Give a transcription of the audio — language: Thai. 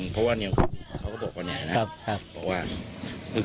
เพราะว่าเนี่ยเขาก็บอกคนใหญ่นะ